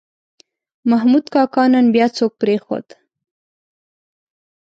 محمود کاکا نن بیا څوک پرېښود.